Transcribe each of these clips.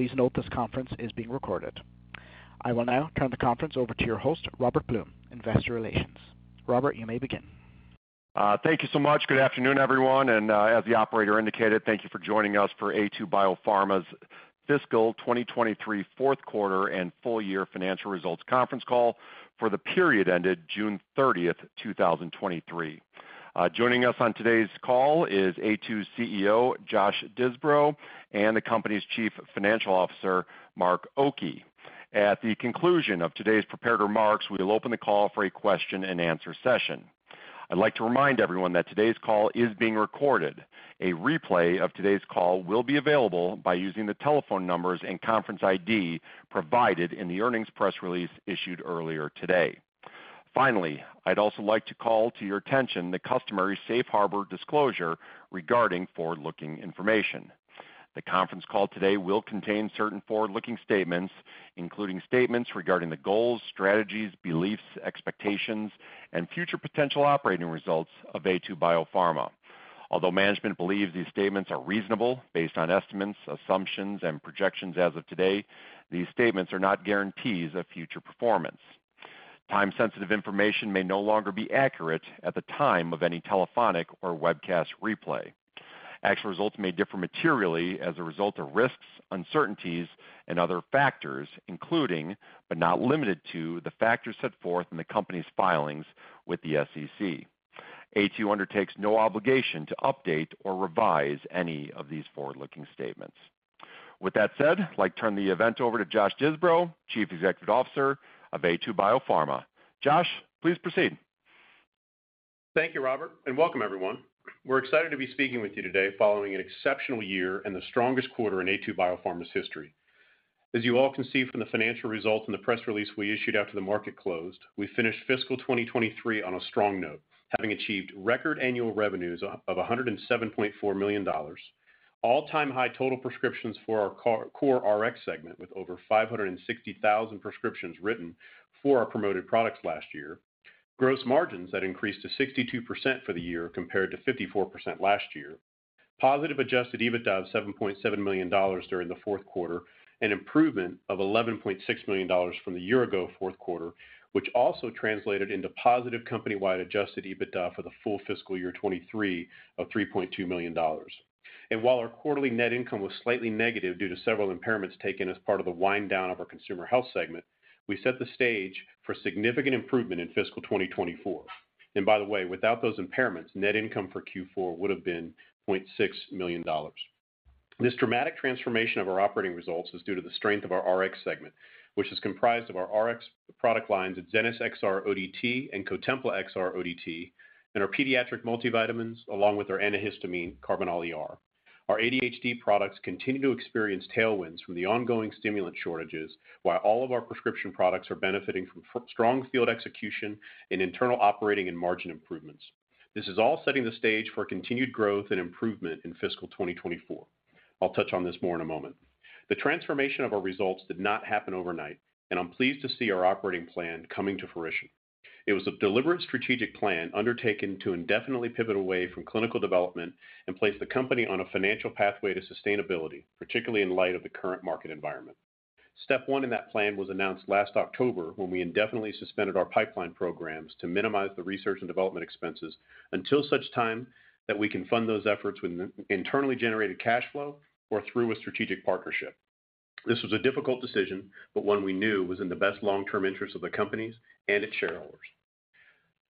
Please note this conference is being recorded. I will now turn the conference over to your host, Robert Blum, Investor Relations. Robert, you may begin. Thank you so much. Good afternoon, everyone, and, as the operator indicated, thank you for joining us for Aytu BioPharma's fiscal 2023 fourth quarter and full year financial results conference call for the period ended June 30th, 2023. Joining us on today's call is Aytu's CEO, Josh Disbrow, and the company's Chief Financial Officer, Mark Oki. At the conclusion of today's prepared remarks, we will open the call for a question-and-answer session. I'd like to remind everyone that today's call is being recorded. A replay of today's call will be available by using the telephone numbers and conference ID provided in the earnings press release issued earlier today. Finally, I'd also like to call to your attention the customary safe harbor disclosure regarding forward-looking information. The conference call today will contain certain forward-looking statements, including statements regarding the goals, strategies, beliefs, expectations, and future potential operating results of Aytu BioPharma. Although management believes these statements are reasonable, based on estimates, assumptions, and projections as of today, these statements are not guarantees of future performance. Time-sensitive information may no longer be accurate at the time of any telephonic or webcast replay. Actual results may differ materially as a result of risks, uncertainties, and other factors, including, but not limited to, the factors set forth in the company's filings with the SEC. Aytu undertakes no obligation to update or revise any of these forward-looking statements. With that said, I'd like to turn the event over to Josh Disbrow, Chief Executive Officer of Aytu BioPharma. Josh, please proceed. Thank you, Robert, and welcome everyone. We're excited to be speaking with you today following an exceptional year and the strongest quarter in Aytu BioPharma's history. As you all can see from the financial results in the press release we issued after the market closed, we finished fiscal 2023 on a strong note, having achieved record annual revenues of $107.4 million. All-time high total prescriptions for our core Rx segment, with over 560,000 prescriptions written for our promoted products last year. Gross margins that increased to 62% for the year, compared to 54% last year. Positive adjusted EBITDA of $7.7 million during the fourth quarter, an improvement of $11.6 million from the year-ago fourth quarter, which also translated into positive company-wide adjusted EBITDA for the full fiscal year 2023 of $3.2 million. While our quarterly net income was slightly negative due to several impairments taken as part of the wind down of our consumer health segment, we set the stage for significant improvement in fiscal 2024. By the way, without those impairments, net income for Q4 would have been $0.6 million. This dramatic transformation of our operating results is due to the strength of our Rx segment, which is comprised of our Rx product lines, Adzenys XR-ODT and Cotempla XR-ODT, and our pediatric multivitamins, along with our antihistamine, Karbinal ER. Our ADHD products continue to experience tailwinds from the ongoing stimulant shortages, while all of our prescription products are benefiting from strong field execution and internal operating and margin improvements. This is all setting the stage for continued growth and improvement in fiscal 2024. I'll touch on this more in a moment. The transformation of our results did not happen overnight, and I'm pleased to see our operating plan coming to fruition. It was a deliberate strategic plan undertaken to indefinitely pivot away from clinical development and place the company on a financial pathway to sustainability, particularly in light of the current market environment. Step one in that plan was announced last October, when we indefinitely suspended our pipeline programs to minimize the research and development expenses until such time that we can fund those efforts with internally generated cash flow or through a strategic partnership. This was a difficult decision, but one we knew was in the best long-term interest of the companies and its shareholders.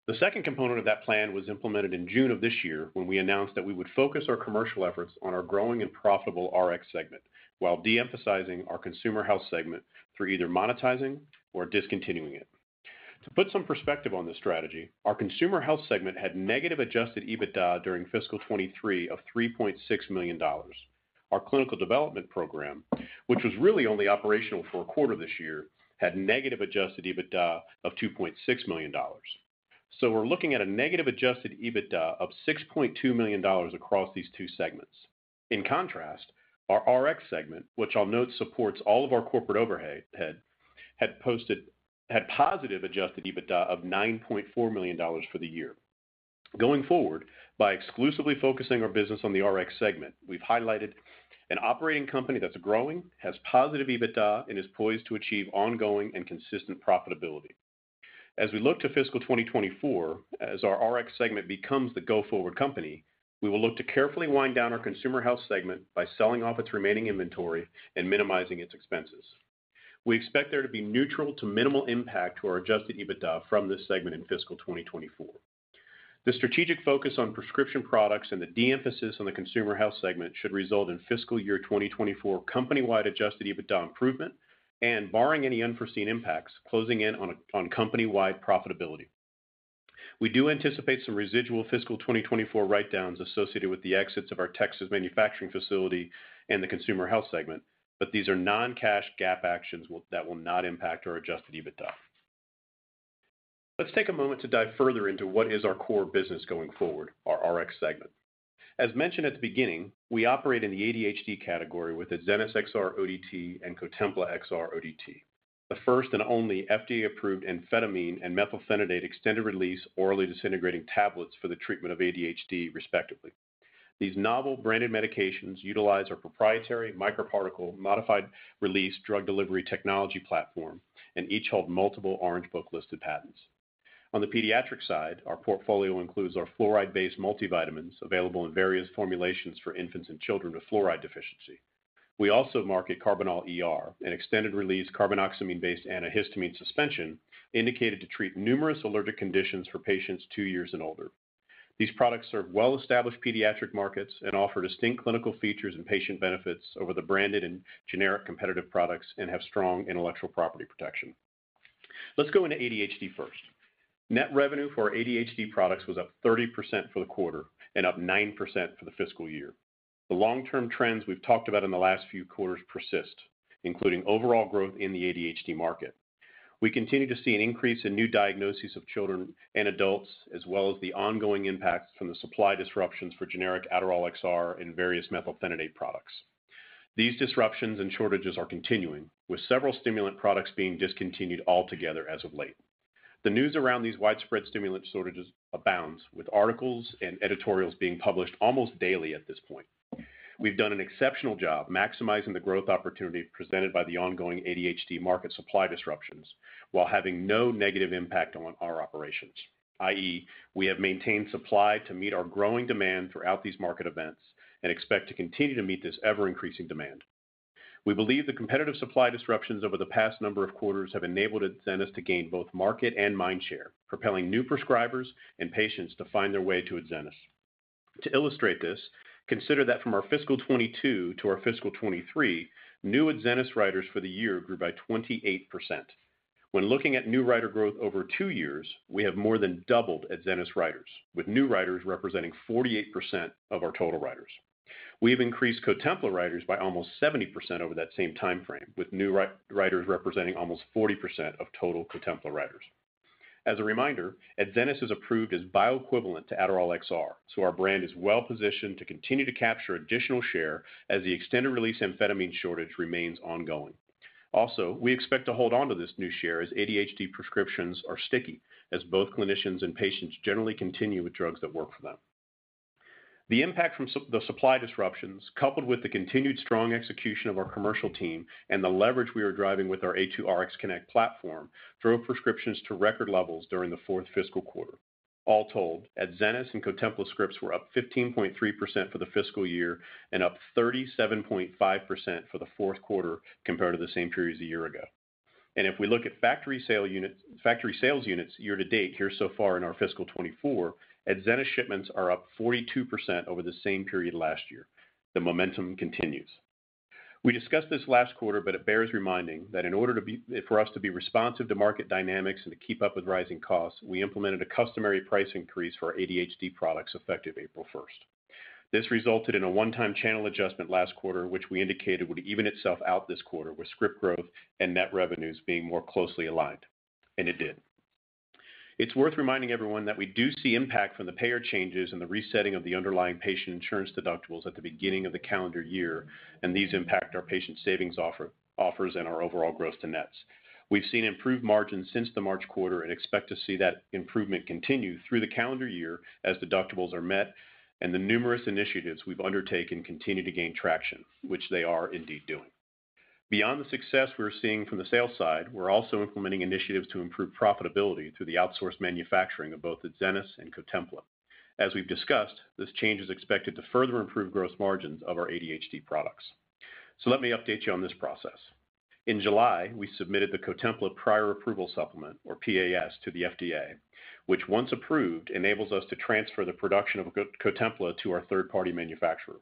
The second component of that plan was implemented in June of this year, when we announced that we would focus our commercial efforts on our growing and profitable Rx segment, while de-emphasizing our consumer health segment through either monetizing or discontinuing it. To put some perspective on this strategy, our consumer health segment had negative Adjusted EBITDA during fiscal 2023 of $3.6 million. Our clinical development program, which was really only operational for a quarter this year, had negative Adjusted EBITDA of $2.6 million. So we're looking at a negative Adjusted EBITDA of $6.2 million across these two segments. In contrast, our Rx segment, which I'll note, supports all of our corporate overhead, had positive Adjusted EBITDA of $9.4 million for the year. Going forward, by exclusively focusing our business on the Rx segment, we've highlighted an operating company that's growing, has positive EBITDA, and is poised to achieve ongoing and consistent profitability. As we look to fiscal 2024, as our Rx segment becomes the go-forward company, we will look to carefully wind down our consumer health segment by selling off its remaining inventory and minimizing its expenses. We expect there to be neutral to minimal impact to our Adjusted EBITDA from this segment in fiscal 2024. The strategic focus on prescription products and the de-emphasis on the consumer health segment should result in fiscal year 2024 company-wide adjusted EBITDA improvement and, barring any unforeseen impacts, closing in on company-wide profitability. We do anticipate some residual fiscal 2024 write-downs associated with the exits of our Texas manufacturing facility and the consumer health segment, but these are non-cash GAAP actions that will not impact our adjusted EBITDA. Let's take a moment to dive further into what is our core business going forward, our Rx segment. As mentioned at the beginning, we operate in the ADHD category with Adzenys XR-ODT and Cotempla XR-ODT. The first and only FDA-approved amphetamine and methylphenidate extended-release, orally disintegrating tablets for the treatment of ADHD, respectively. These novel branded medications utilize our proprietary microparticle modified release drug delivery technology platform, and each hold multiple Orange Book listed patents. On the pediatric side, our portfolio includes our fluoride-based multivitamins, available in various formulations for infants and children with fluoride deficiency. We also market Karbinal ER, an extended-release carbinoxamine-based antihistamine suspension, indicated to treat numerous allergic conditions for patients two years and older. These products serve well-established pediatric markets and offer distinct clinical features and patient benefits over the branded and generic competitive products and have strong intellectual property protection. Let's go into ADHD first. Net revenue for our ADHD products was up 30% for the quarter and up 9% for the fiscal year. The long-term trends we've talked about in the last few quarters persist, including overall growth in the ADHD market. We continue to see an increase in new diagnoses of children and adults, as well as the ongoing impacts from the supply disruptions for generic Adderall XR and various methylphenidate products. These disruptions and shortages are continuing, with several stimulant products being discontinued altogether as of late. The news around these widespread stimulant shortages abounds, with articles and editorials being published almost daily at this point. We've done an exceptional job maximizing the growth opportunity presented by the ongoing ADHD market supply disruptions while having no negative impact on our operations, i.e., we have maintained supply to meet our growing demand throughout these market events and expect to continue to meet this ever-increasing demand. We believe the competitive supply disruptions over the past number of quarters have enabled Adzenys to gain both market and mind share, propelling new prescribers and patients to find their way to Adzenys. To illustrate this, consider that from our fiscal 2022 to our fiscal 2023, new Adzenys writers for the year grew by 28%. When looking at new writer growth over two years, we have more than doubled Adzenys writers, with new writers representing 48% of our total writers. We've increased Cotempla writers by almost 70% over that same time frame, with new writers representing almost 40% of total Cotempla writers. As a reminder, Adzenys is approved as bioequivalent to Adderall XR, so our brand is well positioned to continue to capture additional share as the extended-release amphetamine shortage remains ongoing. Also, we expect to hold on to this new share as ADHD prescriptions are sticky, as both clinicians and patients generally continue with drugs that work for them. The impact from the supply disruptions, coupled with the continued strong execution of our commercial team and the leverage we are driving with our Aytu RxConnect platform, drove prescriptions to record levels during the fourth fiscal quarter. All told, Adzenys and Cotempla scripts were up 15.3% for the fiscal year and up 37.5% for the fourth quarter compared to the same period a year ago. If we look at factory sale unit, factory sales units year to date, here so far in our fiscal 2024, Adzenys shipments are up 42% over the same period last year. The momentum continues. We discussed this last quarter, but it bears reminding that in order for us to be responsive to market dynamics and to keep up with rising costs, we implemented a customary price increase for our ADHD products effective April 1st. This resulted in a one-time channel adjustment last quarter, which we indicated would even itself out this quarter, with script growth and net revenues being more closely aligned, and it did. It's worth reminding everyone that we do see impact from the payer changes and the resetting of the underlying patient insurance deductibles at the beginning of the calendar year, and these impact our patient savings offer, offers, and our overall gross to nets. We've seen improved margins since the March quarter and expect to see that improvement continue through the calendar year as deductibles are met and the numerous initiatives we've undertaken continue to gain traction, which they are indeed doing. Beyond the success we're seeing from the sales side, we're also implementing initiatives to improve profitability through the outsourced manufacturing of both Adzenys and Cotempla. As we've discussed, this change is expected to further improve gross margins of our ADHD products. So let me update you on this process. In July, we submitted the Cotempla Prior Approval Supplement, or PAS, to the FDA, which, once approved, enables us to transfer the production of Cotempla to our third-party manufacturer.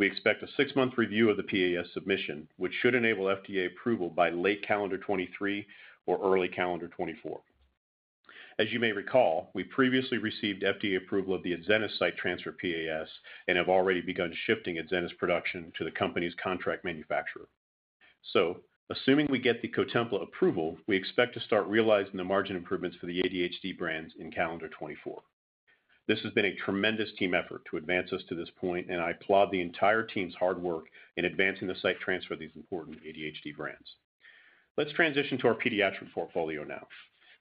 We expect a six-month review of the PAS submission, which should enable FDA approval by late calendar 2023 or early calendar 2024. As you may recall, we previously received FDA approval of the Adzenys site transfer PAS and have already begun shifting Adzenys production to the company's contract manufacturer. So assuming we get the Cotempla approval, we expect to start realizing the margin improvements for the ADHD brands in calendar 2024. This has been a tremendous team effort to advance us to this point, and I applaud the entire team's hard work in advancing the site transfer of these important ADHD brands. Let's transition to our pediatric portfolio now.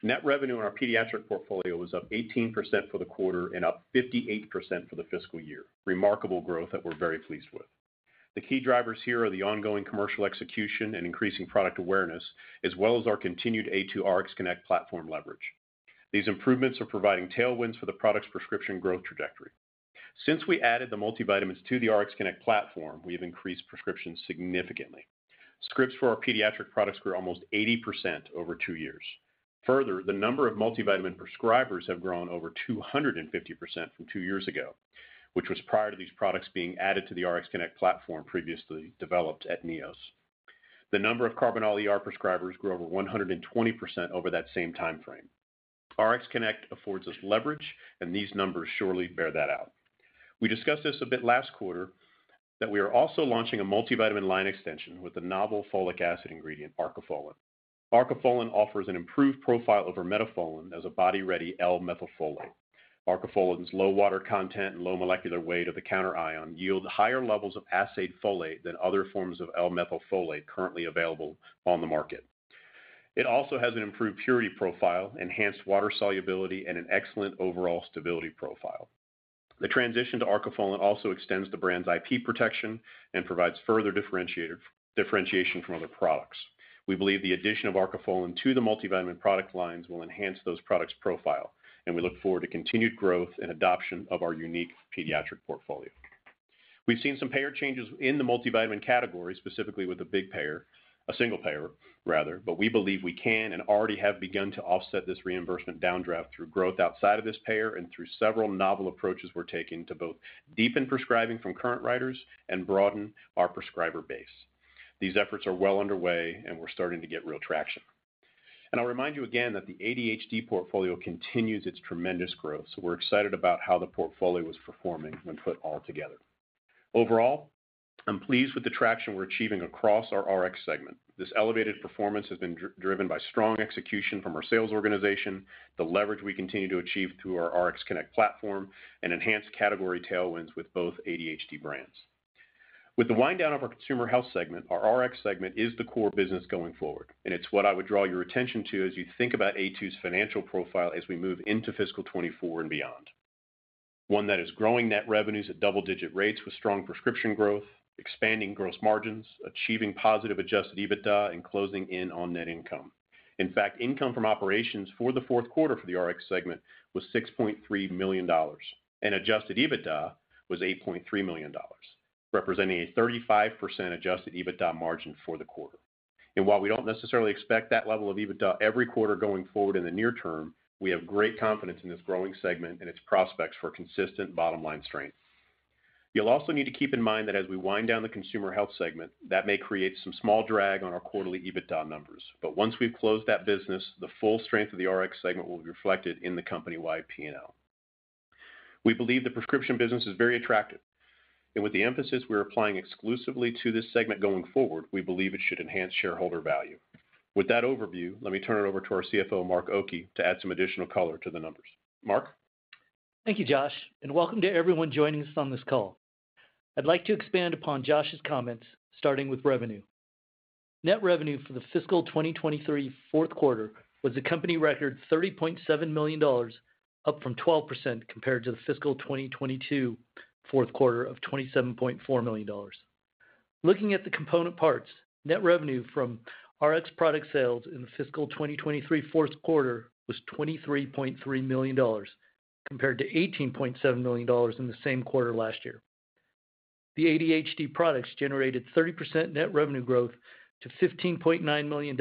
Net revenue in our pediatric portfolio was up 18% for the quarter and up 58% for the fiscal year. Remarkable growth that we're very pleased with. The key drivers here are the ongoing commercial execution and increasing product awareness, as well as our continued Aytu RxConnect platform leverage. These improvements are providing tailwinds for the product's prescription growth trajectory. Since we added the multivitamins to the RxConnect platform, we've increased prescriptions significantly. Scripts for our pediatric products grew almost 80% over two years. Further, the number of multivitamin prescribers have grown over 250% from two years ago, which was prior to these products being added to the RxConnect platform previously developed at Neos. The number of Karbinal ER prescribers grew over 120% over that same time frame. RxConnect affords us leverage, and these numbers surely bear that out. We discussed this a bit last quarter, that we are also launching a multivitamin line extension with a novel folic acid ingredient, Arcofolin. Arcofolin offers an improved profile over Metafolin as a body-ready L-methylfolate. Arcofolin's low water content and low molecular weight of the counterion yield higher levels of assayed folate than other forms of L-methylfolate currently available on the market. It also has an improved purity profile, enhanced water solubility, and an excellent overall stability profile. The transition to Arcofolin also extends the brand's IP protection and provides further differentiator, differentiation from other products. We believe the addition of Arcofolin to the multivitamin product lines will enhance those products' profile, and we look forward to continued growth and adoption of our unique pediatric portfolio. We've seen some payer changes in the multivitamin category, specifically with a big payer, a single payer rather, but we believe we can and already have begun to offset this reimbursement downdraft through growth outside of this payer and through several novel approaches we're taking to both deepen prescribing from current writers and broaden our prescriber base. These efforts are well underway, and we're starting to get real traction. I'll remind you again that the ADHD portfolio continues its tremendous growth, so we're excited about how the portfolio is performing when put all together. Overall, I'm pleased with the traction we're achieving across our RX segment. This elevated performance has been driven by strong execution from our sales organization, the leverage we continue to achieve through our RxConnect platform, and enhanced category tailwinds with both ADHD brands. With the wind down of our Consumer Health segment, our Rx segment is the core business going forward, and it's what I would draw your attention to as you think about Aytu's financial profile as we move into fiscal 2024 and beyond. One that is growing net revenues at double-digit rates with strong prescription growth, expanding gross margins, achieving positive Adjusted EBITDA, and closing in on net income. In fact, income from operations for the fourth quarter for the Rx segment was $6.3 million, and Adjusted EBITDA was $8.3 million, representing a 35% Adjusted EBITDA margin for the quarter. And while we don't necessarily expect that level of EBITDA every quarter going forward in the near term, we have great confidence in this growing segment and its prospects for consistent bottom-line strength. You'll also need to keep in mind that as we wind down the Consumer Health segment, that may create some small drag on our quarterly EBITDA numbers. But once we've closed that business, the full strength of the Rx segment will be reflected in the company-wide P&L. We believe the prescription business is very attractive, and with the emphasis we're applying exclusively to this segment going forward, we believe it should enhance shareholder value. With that overview, let me turn it over to our CFO, Mark Oki, to add some additional color to the numbers. Mark? Thank you, Josh, and welcome to everyone joining us on this call. I'd like to expand upon Josh's comments, starting with revenue. Net revenue for the fiscal 2023 fourth quarter was a company record $30.7 million, up 12% compared to the fiscal 2022 fourth quarter of $27.4 million. Looking at the component parts, net revenue from Rx product sales in the fiscal 2023 fourth quarter was $23.3 million, compared to $18.7 million in the same quarter last year. The ADHD products generated 30% net revenue growth to $15.9 million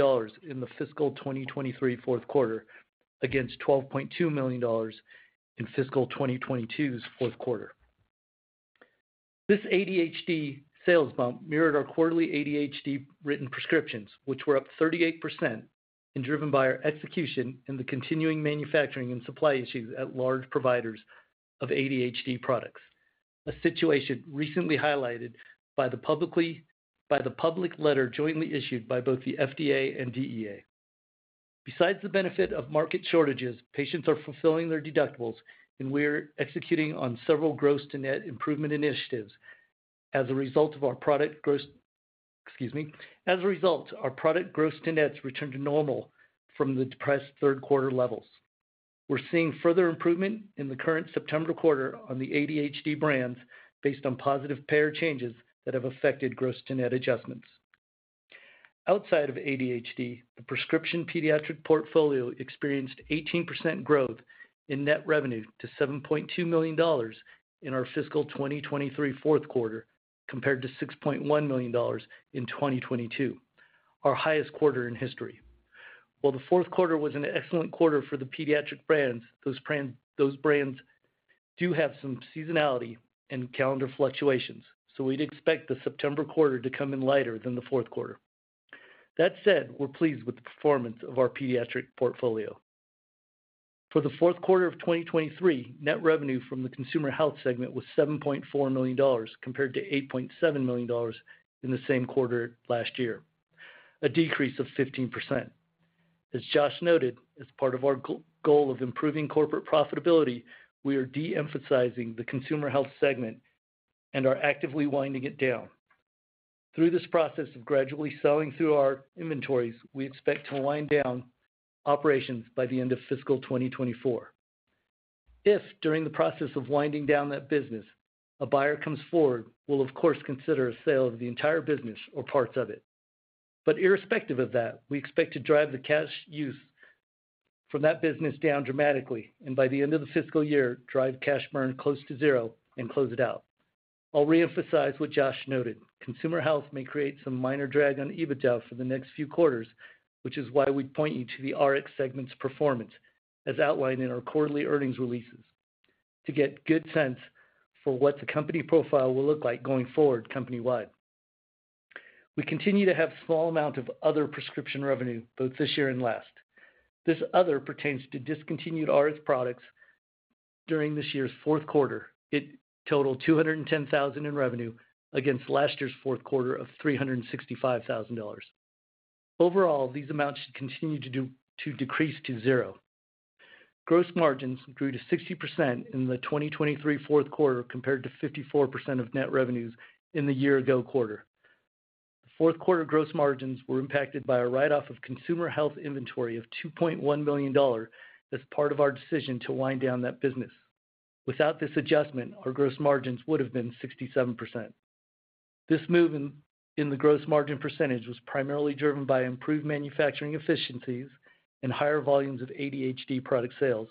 in the fiscal 2023 fourth quarter, against $12.2 million in fiscal 2022's fourth quarter. This ADHD sales bump mirrored our quarterly ADHD written prescriptions, which were up 38% and driven by our execution in the continuing manufacturing and supply issues at large providers of ADHD products. A situation recently highlighted by the public letter jointly issued by both the FDA and DEA. Besides the benefit of market shortages, patients are fulfilling their deductibles, and we're executing on several Gross to Net improvement initiatives. As a result, our product Gross to Nets return to normal from the depressed third-quarter levels. We're seeing further improvement in the current September quarter on the ADHD brands based on positive payer changes that have affected Gross to Net adjustments. Outside of ADHD, the prescription pediatric portfolio experienced 18% growth in net revenue to $7.2 million in our fiscal 2023 fourth quarter, compared to $6.1 million in 2022, our highest quarter in history. While the fourth quarter was an excellent quarter for the pediatric brands, those brands do have some seasonality and calendar fluctuations, so we'd expect the September quarter to come in lighter than the fourth quarter. That said, we're pleased with the performance of our pediatric portfolio. For the fourth quarter of 2023, net revenue from the Consumer Health segment was $7.4 million, compared to $8.7 million in the same quarter last year, a decrease of 15%. As Josh noted, as part of our goal of improving corporate profitability, we are de-emphasizing the Consumer Health segment and are actively winding it down. Through this process of gradually selling through our inventories, we expect to wind down operations by the end of fiscal 2024. If during the process of winding down that business, a buyer comes forward, we'll of course, consider a sale of the entire business or parts of it. But irrespective of that, we expect to drive the cash use from that business down dramatically, and by the end of the fiscal year, drive cash burn close to zero and close it out. I'll reemphasize what Josh noted. Consumer Health may create some minor drag on EBITDA for the next few quarters, which is why we'd point you to the Rx segment's performance, as outlined in our quarterly earnings releases, to get a good sense for what the company profile will look like going forward company-wide. We continue to have small amount of other prescription revenue, both this year and last. This other pertains to discontinued Rx products during this year's fourth quarter. It totaled $210,000 in revenue against last year's fourth quarter of $365,000. Overall, these amounts should continue to decrease to zero. Gross margins grew to 60% in the 2023 fourth quarter, compared to 54% of net revenues in the year-ago quarter. The fourth quarter gross margins were impacted by a write-off of consumer health inventory of $2.1 million as part of our decision to wind down that business. Without this adjustment, our gross margins would have been 67%. This move in the gross margin percentage was primarily driven by improved manufacturing efficiencies and higher volumes of ADHD product sales.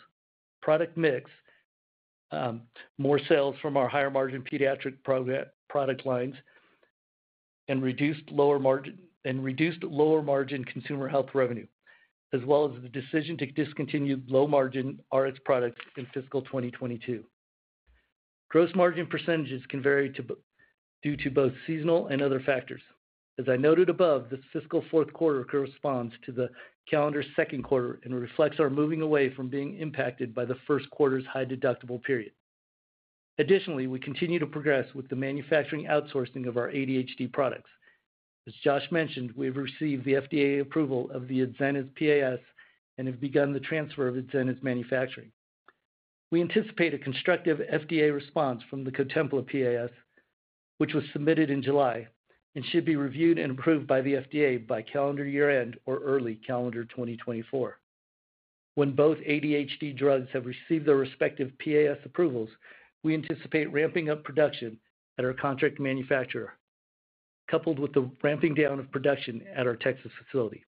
Product mix, more sales from our higher-margin pediatric product lines, and reduced lower-margin consumer health revenue, as well as the decision to discontinue low-margin Rx products in fiscal 2022. Gross margin percentages can vary due to both seasonal and other factors. As I noted above, this fiscal fourth quarter corresponds to the calendar second quarter and reflects our moving away from being impacted by the first quarter's high deductible period. Additionally, we continue to progress with the manufacturing outsourcing of our ADHD products. As Josh mentioned, we've received the FDA approval of the Adzenys PAS and have begun the transfer of Adzenys manufacturing. We anticipate a constructive FDA response from the Cotempla PAS, which was submitted in July, and should be reviewed and approved by the FDA by calendar year-end or early calendar 2024. When both ADHD drugs have received their respective PAS approvals, we anticipate ramping up production at our contract manufacturer, coupled with the ramping down of production at our Texas facility.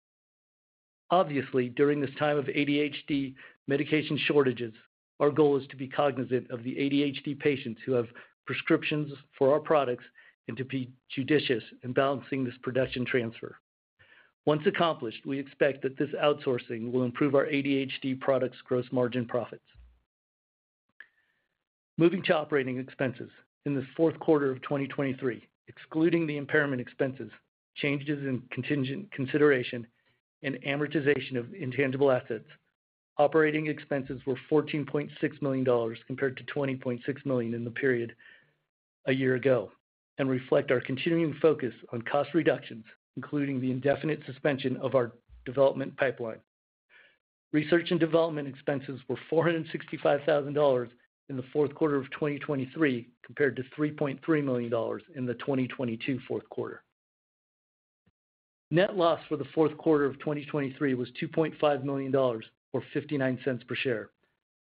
Obviously, during this time of ADHD medication shortages, our goal is to be cognizant of the ADHD patients who have prescriptions for our products and to be judicious in balancing this production transfer. Once accomplished, we expect that this outsourcing will improve our ADHD products' gross margin profits. Moving to operating expenses. In the fourth quarter of 2023, excluding the impairment expenses, changes in contingent consideration, and amortization of intangible assets, operating expenses were $14.6 million, compared to $20.6 million in the period a year ago, and reflect our continuing focus on cost reductions, including the indefinite suspension of our development pipeline. Research and development expenses were $465 thousand in the fourth quarter of 2023, compared to $3.3 million in the 2022 fourth quarter. Net loss for the fourth quarter of 2023 was $2.5 million, or $0.59 per share,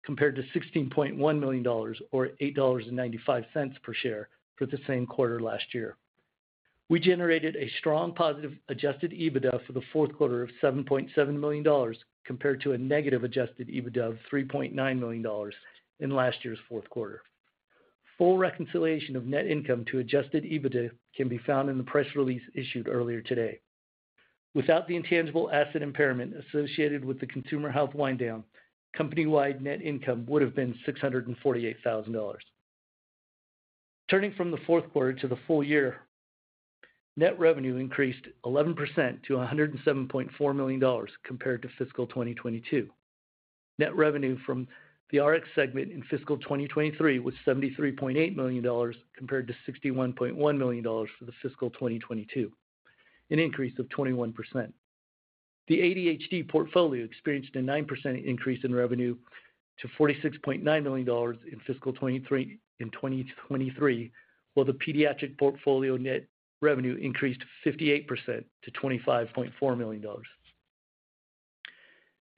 compared to $16.1 million or $8.95 per share for the same quarter last year. We generated a strong positive Adjusted EBITDA for the fourth quarter of $7.7 million, compared to a negative Adjusted EBITDA of $3.9 million in last year's fourth quarter. Full reconciliation of net income to Adjusted EBITDA can be found in the press release issued earlier today. Without the intangible asset impairment associated with the consumer health wind down, company-wide net income would have been $648,000. Turning from the fourth quarter to the full year, net revenue increased 11% to $107.4 million compared to fiscal 2022. Net revenue from the Rx segment in fiscal 2023 was $73.8 million, compared to $61.1 million for the fiscal 2022, an increase of 21%. The ADHD portfolio experienced a 9% increase in revenue to $46.9 million in fiscal 2023, in 2023, while the pediatric portfolio net revenue increased 58% to $25.4 million.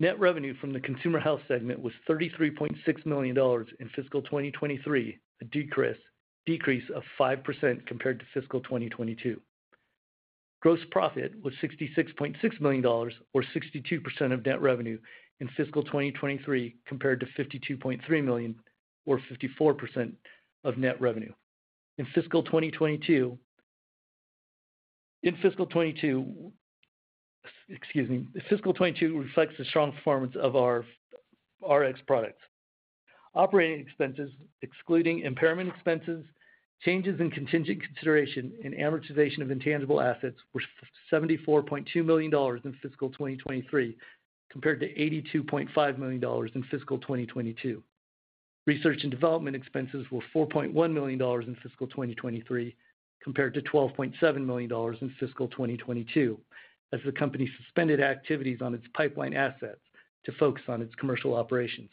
Net revenue from the consumer health segment was $33.6 million in fiscal 2023, a decrease, decrease of 5% compared to fiscal 2022. Gross profit was $66.6 million or 62% of net revenue in fiscal 2023, compared to $52.3 million or 54% of net revenue. In fiscal 2022, excuse me, fiscal 2022 reflects the strong performance of our Rx products. Operating expenses, excluding impairment expenses, changes in contingent consideration, and amortization of intangible assets, were $74.2 million in fiscal 2023, compared to $82.5 million in fiscal 2022. Research and development expenses were $4.1 million in fiscal 2023, compared to $12.7 million in fiscal 2022, as the company suspended activities on its pipeline assets to focus on its commercial operations.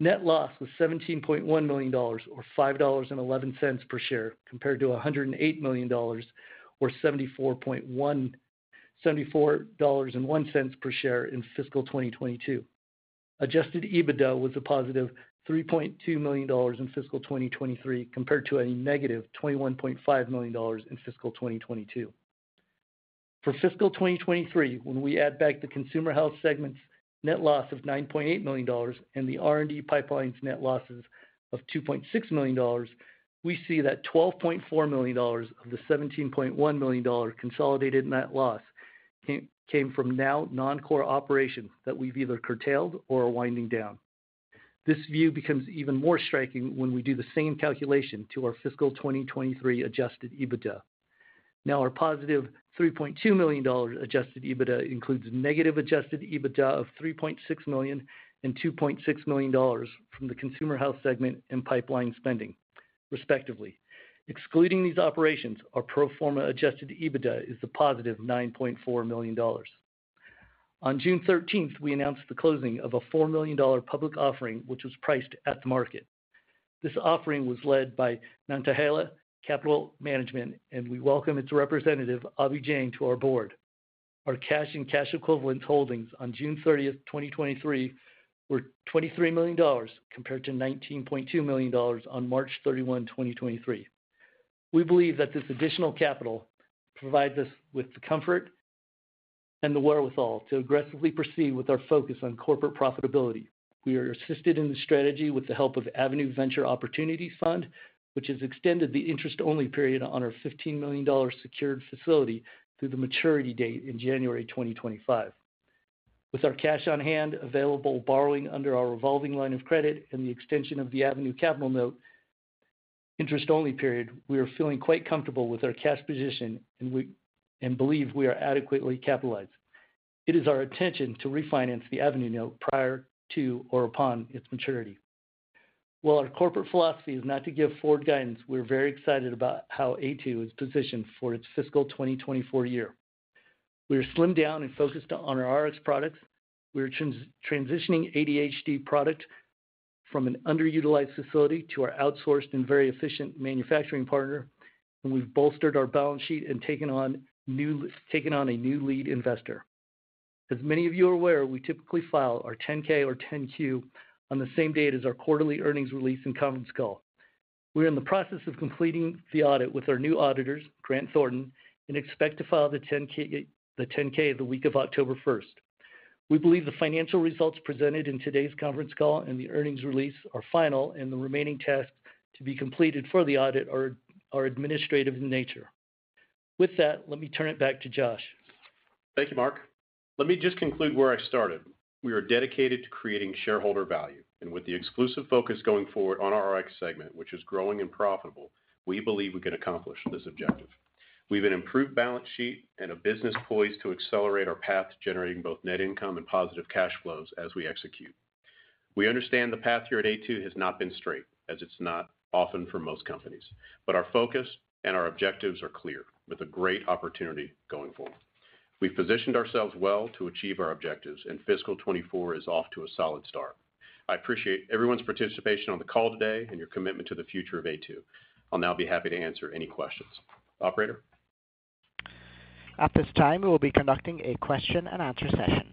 Net loss was $17.1 million or $5.11 per share, compared to $108 million or $74.01 per share in fiscal 2022. Adjusted EBITDA was a +$3.2 million in fiscal 2023, compared to a -$21.5 million in fiscal 2022. For fiscal 2023, when we add back the consumer health segment's net loss of $9.8 million and the R&D pipeline's net losses of $2.6 million, we see that $12.4 million of the $17.1 million consolidated net loss came from now non-core operations that we've either curtailed or are winding down. This view becomes even more striking when we do the same calculation to our fiscal 2023 Adjusted EBITDA. Now, our +$3.2 million Adjusted EBITDA includes negative Adjusted EBITDA of $3.6 million and $2.6 million from the consumer health segment and pipeline spending respectively. Excluding these operations, our pro forma Adjusted EBITDA is a +$9.4 million. On June 13th, we announced the closing of a $4 million public offering, which was priced at the market. This offering was led by Nantahala Capital Management, and we welcome its representative, Abi Jain, to our board. Our cash and cash equivalents holdings on June 30th, 2023, were $23 million, compared to $19.2 million on March 31, 2023. We believe that this additional capital provides us with the comfort and the wherewithal to aggressively proceed with our focus on corporate profitability. We are assisted in this strategy with the help of Avenue Venture Opportunities Fund, which has extended the interest-only period on our $15 million secured facility through the maturity date in January 2025. With our cash on hand, available borrowing under our revolving line of credit and the extension of the Avenue Capital note interest-only period, we are feeling quite comfortable with our cash position and believe we are adequately capitalized. It is our intention to refinance the Avenue note prior to or upon its maturity. While our corporate philosophy is not to give forward guidance, we're very excited about how Aytu is positioned for its fiscal 2024 year. We are slimmed down and focused on our Rx products. We are transitioning ADHD product from an underutilized facility to our outsourced and very efficient manufacturing partner, and we've bolstered our balance sheet and taken on a new lead investor. As many of you are aware, we typically file our 10-K or 10-Q on the same day as our quarterly earnings release and conference call. We are in the process of completing the audit with our new auditors, Grant Thornton, and expect to file the 10-K the week of October 1st. We believe the financial results presented in today's conference call and the earnings release are final, and the remaining tasks to be completed for the audit are administrative in nature. With that, let me turn it back to Josh. Thank you, Mark. Let me just conclude where I started. We are dedicated to creating shareholder value, and with the exclusive focus going forward on our Rx segment, which is growing and profitable, we believe we can accomplish this objective. We have an improved balance sheet and a business poised to accelerate our path to generating both net income and positive cash flows as we execute. We understand the path here at Aytu has not been straight, as it's not often for most companies, but our focus and our objectives are clear, with a great opportunity going forward. We've positioned ourselves well to achieve our objectives, and fiscal 2024 is off to a solid start. I appreciate everyone's participation on the call today and your commitment to the future of Aytu. I'll now be happy to answer any questions. Operator? At this time, we will be conducting a question-and-answer session.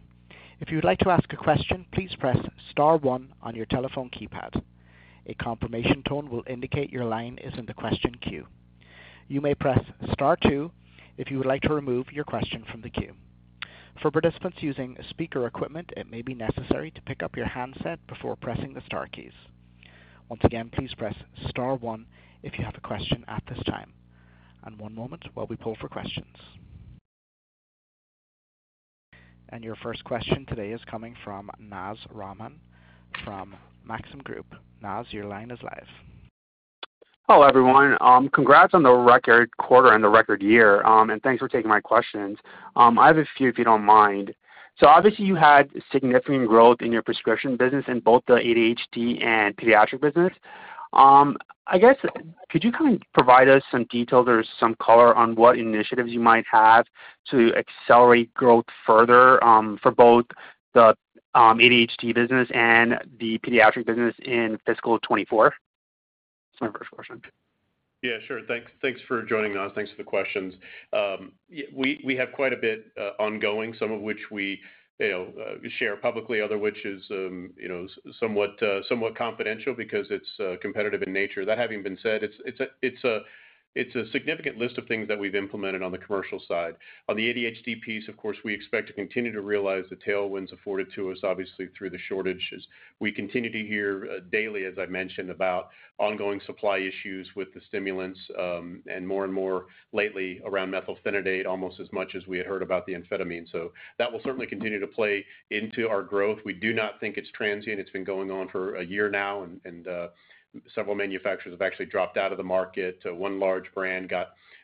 If you would like to ask a question, please press star one on your telephone keypad. A confirmation tone will indicate your line is in the question queue. You may press star two if you would like to remove your question from the queue. For participants using speaker equipment, it may be necessary to pick up your handset before pressing the star keys. Once again, please press star one if you have a question at this time. One moment while we pull for questions. Your first question today is coming from Naz Rahman from Maxim Group. Naz, your line is live. Hello, everyone. Congrats on the record quarter and the record year, and thanks for taking my questions. I have a few, if you don't mind. So obviously you had significant growth in your prescription business in both the ADHD and pediatric business. I guess, could you kind of provide us some detail or some color on what initiatives you might have to accelerate growth further, for both the ADHD business and the pediatric business in fiscal 2024? That's my first question. Yeah, sure. Thanks, thanks for joining us. Thanks for the questions. Yeah, we, we have quite a bit ongoing, some of which we, you know, share publicly, other which is, you know, somewhat, somewhat confidential because it's competitive in nature. That having been said, it's a significant list of things that we've implemented on the commercial side. On the ADHD piece, of course, we expect to continue to realize the tailwinds afforded to us, obviously, through the shortages. We continue to hear, daily, as I mentioned, about ongoing supply issues with the stimulants, and more and more lately around methylphenidate, almost as much as we had heard about the amphetamine. So that will certainly continue to play into our growth. We do not think it's transient. It's been going on for a year now, several manufacturers have actually dropped out of the market. One large brand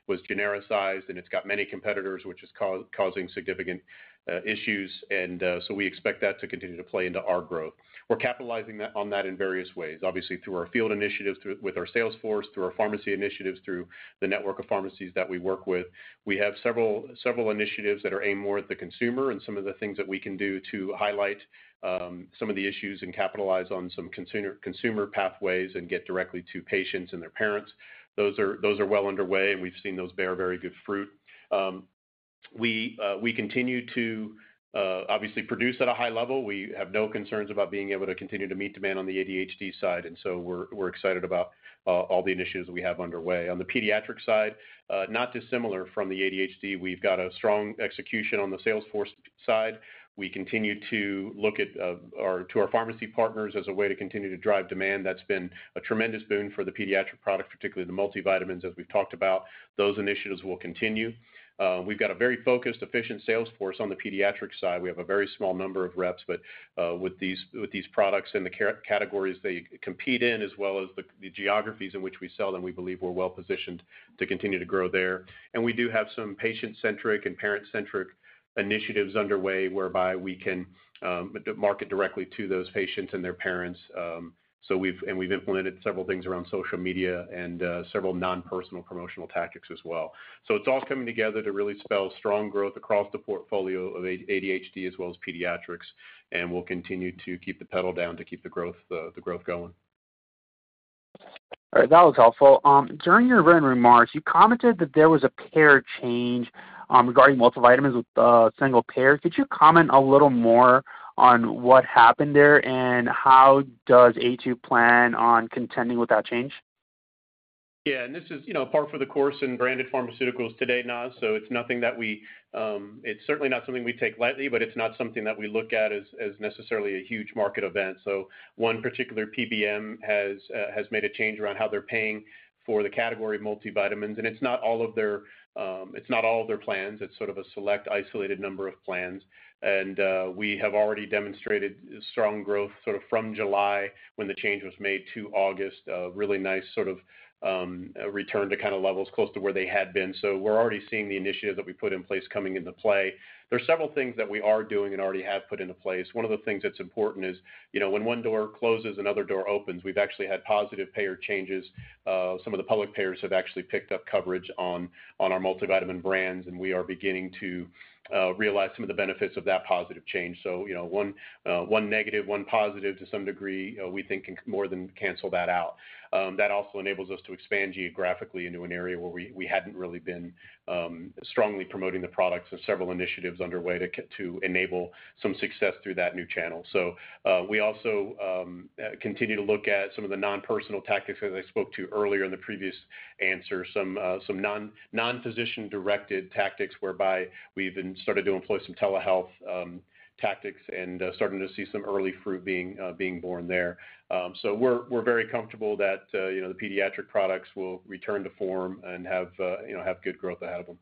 was genericized, and it's got many competitors, which is causing significant issues. So we expect that to continue to play into our growth. We're capitalizing on that in various ways. Obviously, through our field initiatives, through our sales force, through our pharmacy initiatives, through the network of pharmacies that we work with. We have several initiatives that are aimed more at the consumer and some of the things that we can do to highlight some of the issues and capitalize on some consumer pathways and get directly to patients and their parents. Those are well underway, and we've seen those bear very good fruit. We continue to obviously produce at a high level. We have no concerns about being able to continue to meet demand on the ADHD side, and so we're excited about all the initiatives we have underway. On the pediatric side, not dissimilar from the ADHD. We've got a strong execution on the sales force side. We continue to look to our pharmacy partners as a way to continue to drive demand. That's been a tremendous boon for the pediatric product, particularly the multivitamins. As we've talked about, those initiatives will continue. We've got a very focused, efficient sales force on the pediatric side. We have a very small number of reps, but with these, with these products and the categories they compete in, as well as the geographies in which we sell them, we believe we're well positioned to continue to grow there. And we do have some patient-centric and parent-centric initiatives underway whereby we can market directly to those patients and their parents. So we've implemented several things around social media and several non-personal promotional tactics as well. So it's all coming together to really spell strong growth across the portfolio of ADHD as well as pediatrics, and we'll continue to keep the pedal down to keep the growth, the growth going. All right, that was helpful. During your opening remarks, you commented that there was a payer change regarding multivitamins with single payers. Could you comment a little more on what happened there, and how does Aytu plan on contending with that change? Yeah, and this is, you know, par for the course in branded pharmaceuticals today, Naz. So it's nothing that we—it's certainly not something we take lightly, but it's not something that we look at as necessarily a huge market event. So one particular PBM has made a change around how they're paying for the category of multivitamins, and it's not all of their plans. It's sort of a select, isolated number of plans. And we have already demonstrated strong growth, sort of, from July, when the change was made, to August, a really nice sort of return to kind of levels close to where they had been. So we're already seeing the initiatives that we put in place coming into play. There are several things that we are doing and already have put into place. One of the things that's important is, you know, when one door closes, another door opens. We've actually had positive payer changes. Some of the public payers have actually picked up coverage on our multivitamin brands, and we are beginning to realize some of the benefits of that positive change. So, you know, one negative, one positive to some degree, we think can more than cancel that out. That also enables us to expand geographically into an area where we hadn't really been strongly promoting the products. There are several initiatives underway to enable some success through that new channel. So, we also continue to look at some of the non-personal tactics that I spoke to earlier in the previous answer, some non-physician-directed tactics, whereby we've been started to employ some telehealth tactics and starting to see some early fruit being born there. So we're very comfortable that, you know, the pediatric products will return to form and have, you know, have good growth ahead of them.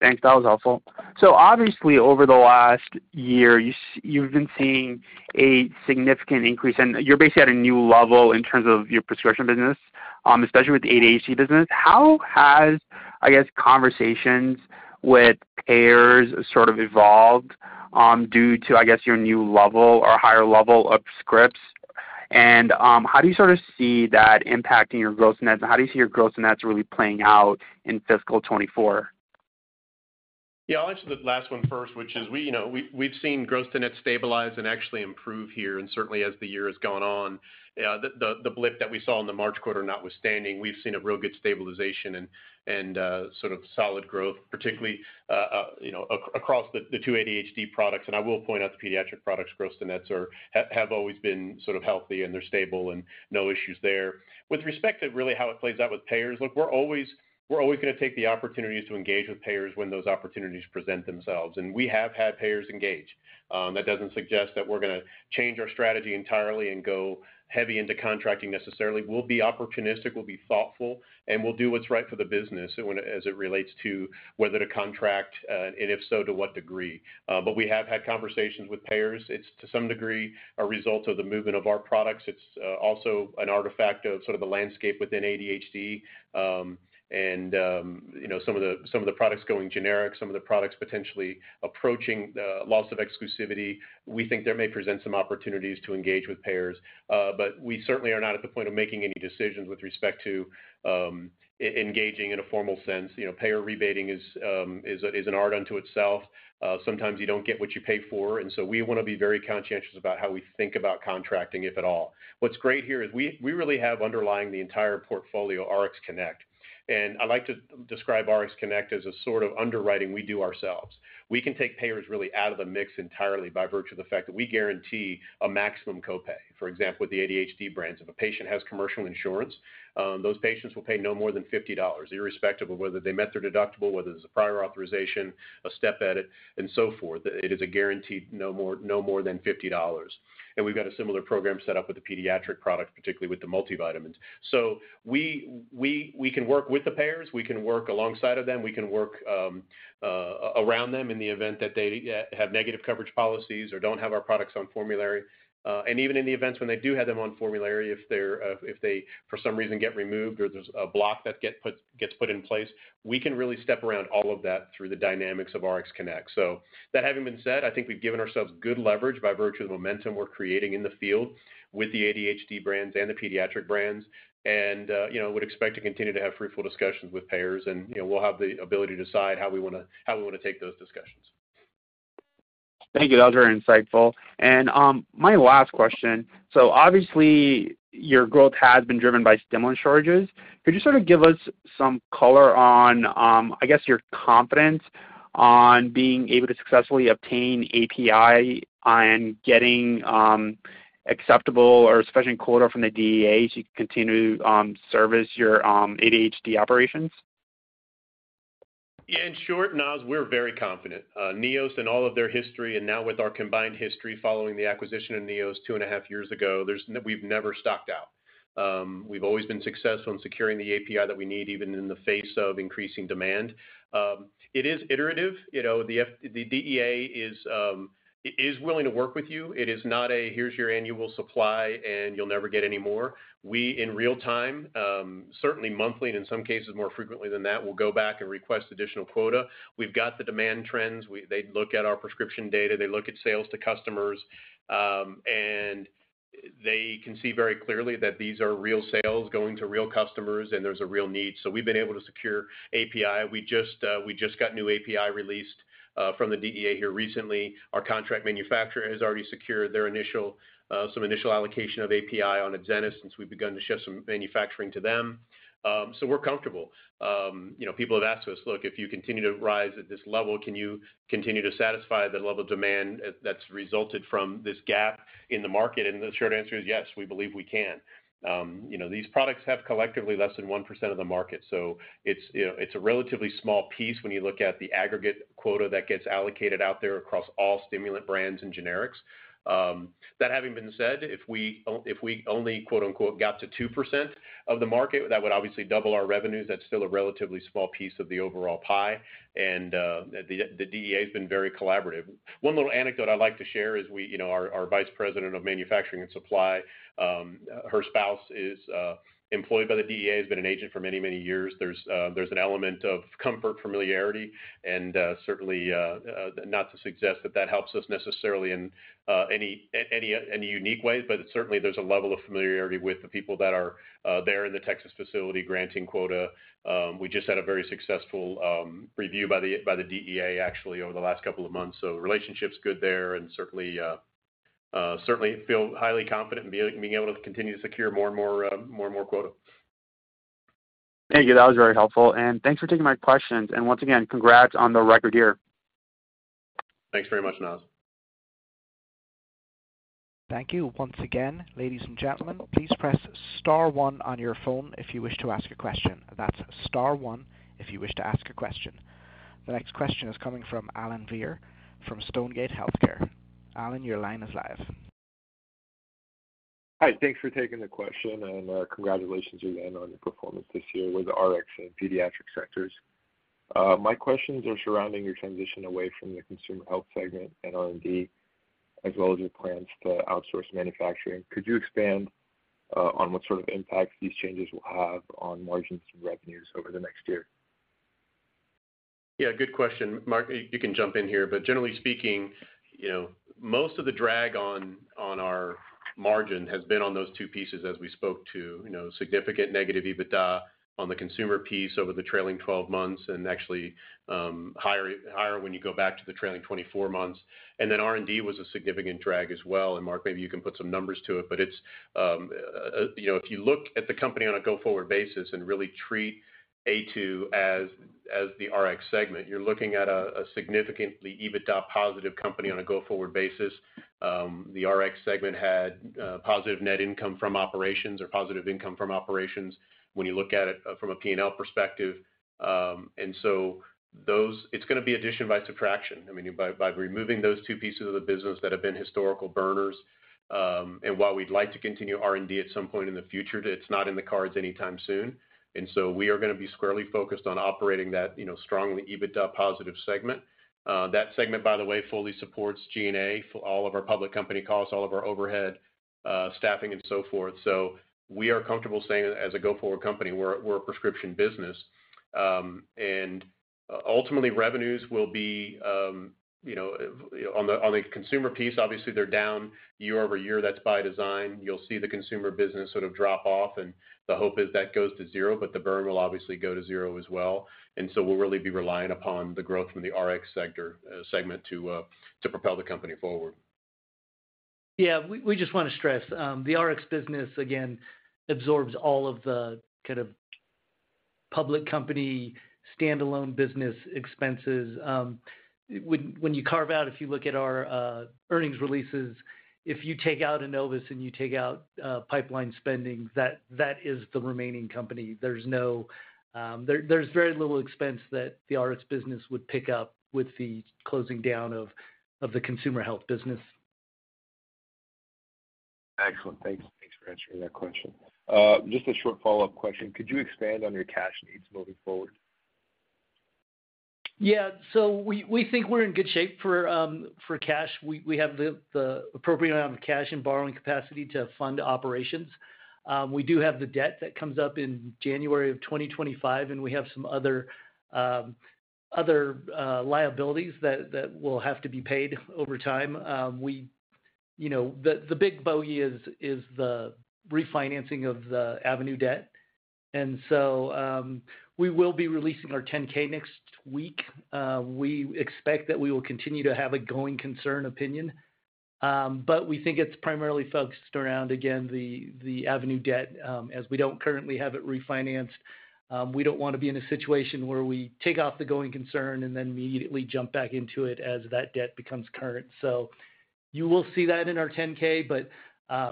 Thanks. That was helpful. So obviously, over the last year, you've been seeing a significant increase, and you're basically at a new level in terms of your prescription business, especially with the ADHD business. How has, I guess, conversations with payers sort of evolved, due to, I guess, your new level or higher level of scripts? And, how do you sort of see that impacting your gross nets, and how do you see your gross nets really playing out in fiscal 2024? Yeah, I'll answer the last one first, which is, you know, we've seen Gross to Net stabilize and actually improve here, and certainly as the year has gone on. The blip that we saw in the March quarter notwithstanding, we've seen a real good stabilization and sort of solid growth, particularly, you know, across the two ADHD products. And I will point out the pediatric products, Gross to Nets have always been sort of healthy, and they're stable and no issues there. With respect to really how it plays out with payers, look, we're always going to take the opportunities to engage with payers when those opportunities present themselves, and we have had payers engage. That doesn't suggest that we're going to change our strategy entirely and go heavy into contracting necessarily. We'll be opportunistic, we'll be thoughtful, and we'll do what's right for the business when it, as it relates to whether to contract, and if so, to what degree. But we have had conversations with payers. It's, to some degree, a result of the movement of our products. It's also an artifact of sort of the landscape within ADHD. You know, some of the products going generic, some of the products potentially approaching loss of exclusivity. We think there may present some opportunities to engage with payers, but we certainly are not at the point of making any decisions with respect to engaging in a formal sense. You know, payer rebating is an art unto itself. Sometimes you don't get what you pay for, and so we want to be very conscientious about how we think about contracting, if at all. What's great here is we really have underlying the entire portfolio, RxConnect, and I like to describe RxConnect as a sort of underwriting we do ourselves. We can take payers really out of the mix entirely by virtue of the fact that we guarantee a maximum copay. For example, with the ADHD brands, if a patient has commercial insurance, those patients will pay no more than $50, irrespective of whether they met their deductible, whether there's a prior authorization, a step edit, and so forth. It is a guaranteed no more, no more than $50. And we've got a similar program set up with the pediatric products, particularly with the multivitamins. So we can work with the payers, we can work alongside of them, we can work around them in the event that they have negative coverage policies or don't have our products on formulary. And even in the events when they do have them on formulary, if they're, if they for some reason get removed or there's a block that gets put in place, we can really step around all of that through the dynamics of RxConnect. So that having been said, I think we've given ourselves good leverage by virtue of the momentum we're creating in the field with the ADHD brands and the pediatric brands and, you know, would expect to continue to have fruitful discussions with payers. And, you know, we'll have the ability to decide how we want to, how we want to take those discussions. Thank you. That was very insightful. My last question: so obviously, your growth has been driven by stimulant shortages. Could you sort of give us some color on, I guess, your confidence on being able to successfully obtain API and getting, acceptable or sufficient quota from the DEA to continue, service your ADHD operations? Yeah, in short, Naz, we're very confident. Neos and all of their history, and now with our combined history following the acquisition of Neos 2.5 years ago, there's. We've never stocked out. We've always been successful in securing the API that we need, even in the face of increasing demand. It is iterative. You know, the DEA is willing to work with you. It is not a, "Here's your annual supply, and you'll never get any more." We, in real time, certainly monthly and in some cases more frequently than that, will go back and request additional quota. We've got the demand trends. They look at our prescription data, they look at sales to customers, and they can see very clearly that these are real sales going to real customers, and there's a real need. We've been able to secure API. We just got new API released from the DEA here recently. Our contract manufacturer has already secured their initial, some initial allocation of API on Adzenys since we've begun to shift some manufacturing to them. So we're comfortable. You know, people have asked us: "Look, if you continue to rise at this level, can you continue to satisfy the level of demand that's resulted from this gap in the market?" The short answer is yes, we believe we can. You know, these products have collectively less than 1% of the market, so it's, you know, it's a relatively small piece when you look at the aggregate quota that gets allocated out there across all stimulant brands and generics. That having been said, if we only, quote-unquote, "got to 2%" of the market, that would obviously double our revenues. That's still a relatively small piece of the overall pie, and the DEA has been very collaborative. One little anecdote I'd like to share is we, you know, our vice president of manufacturing and supply, her spouse is employed by the DEA, has been an agent for many, many years. There's an element of comfort, familiarity, and certainly not to suggest that that helps us necessarily in any unique way, but certainly there's a level of familiarity with the people that are there in the Texas facility granting quota. We just had a very successful review by the DEA, actually, over the last couple of months. So the relationship's good there and certainly feel highly confident in being able to continue to secure more and more quota. Thank you. That was very helpful, and thanks for taking my questions. Once again, congrats on the record year. Thanks very much, Naz. Thank you. Once again, ladies and gentlemen, please press star one on your phone if you wish to ask a question. That's star one if you wish to ask a question. The next question is coming from [Alan Veer] from Stonegate Healthcare. Alan, your line is live. Hi, thanks for taking the question, and, congratulations again on your performance this year with the Rx and pediatric sectors. My questions are surrounding your transition away from the consumer health segment and R&D, as well as your plans to outsource manufacturing. Could you expand on what sort of impact these changes will have on margins and revenues over the next year? Yeah, good question. Mark, you can jump in here, but generally speaking, you know, most of the drag on our margin has been on those two pieces as we spoke to. You know, significant negative EBITDA on the consumer piece over the trailing 12 months, and actually, higher when you go back to the trailing 24 months. And then R&D was a significant drag as well. And Mark, maybe you can put some numbers to it, but it's, you know, if you look at the company on a go-forward basis and really treat Aytu as the Rx segment, you're looking at a significantly EBITDA-positive company on a go-forward basis. The Rx segment had positive net income from operations or positive income from operations when you look at it from a P&L perspective. And so those... It's gonna be addition by subtraction. I mean, by removing those two pieces of the business that have been historical burners, and while we'd like to continue R&D at some point in the future, it's not in the cards anytime soon. And so we are gonna be squarely focused on operating that, you know, strongly EBITDA-positive segment. That segment, by the way, fully supports G&A for all of our public company costs, all of our overhead, staffing, and so forth. So we are comfortable saying as a go-forward company, we're a prescription business. And ultimately, revenues will be, you know, on the consumer piece, obviously, they're down year-over-year. That's by design. You'll see the consumer business sort of drop off, and the hope is that goes to zero, but the burn will obviously go to zero as well. And so we'll really be relying upon the growth from the Rx sector, segment to propel the company forward. Yeah, we just want to stress the Rx business again absorbs all of the kind of public company, standalone business expenses. When you carve out, if you look at our earnings releases, if you take out Innovus and you take out pipeline spending, that is the remaining company. There's no. There's very little expense that the Rx business would pick up with the closing down of the consumer health business. Excellent. Thanks. Thanks for answering that question. Just a short follow-up question: Could you expand on your cash needs moving forward? Yeah, so we think we're in good shape for cash. We have the appropriate amount of cash and borrowing capacity to fund operations. We do have the debt that comes up in January of 2025, and we have some other liabilities that will have to be paid over time. You know, the big bogey is the refinancing of the Avenue debt. So, we will be releasing our 10-K next week. We expect that we will continue to have a going concern opinion, but we think it's primarily focused around, again, the Avenue debt. As we don't currently have it refinanced, we don't want to be in a situation where we take off the going concern and then immediately jump back into it as that debt becomes current. So you will see that in our 10-K, but,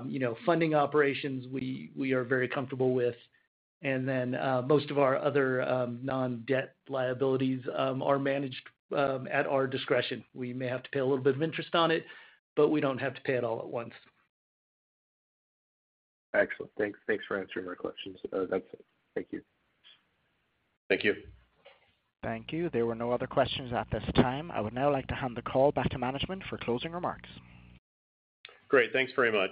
you know, funding operations, we are very comfortable with. And then, most of our other, non-debt liabilities, are managed, at our discretion. We may have to pay a little bit of interest on it, but we don't have to pay it all at once. Excellent. Thanks. Thanks for answering our questions. That's it. Thank you. Thank you. Thank you. There were no other questions at this time. I would now like to hand the call back to management for closing remarks. Great. Thanks very much.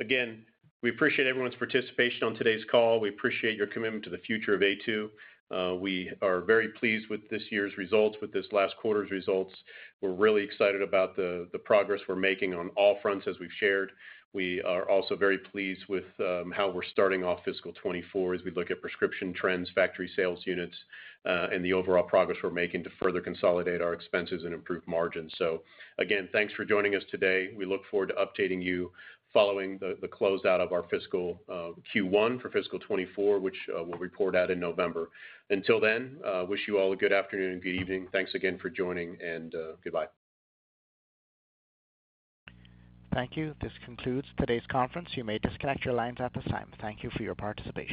Again, we appreciate everyone's participation on today's call. We appreciate your commitment to the future of Aytu. We are very pleased with this year's results, with this last quarter's results. We're really excited about the progress we're making on all fronts, as we've shared. We are also very pleased with how we're starting off fiscal 2024 as we look at prescription trends, factory sales units, and the overall progress we're making to further consolidate our expenses and improve margins. So again, thanks for joining us today. We look forward to updating you following the closeout of our fiscal Q1 for fiscal 2024, which we'll report out in November. Until then, wish you all a good afternoon and good evening. Thanks again for joining and goodbye. Thank you. This concludes today's conference. You may disconnect your lines at this time. Thank you for your participation.